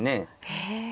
へえ。